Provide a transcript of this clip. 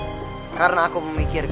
dan membuatnya menjadi seorang yang berguna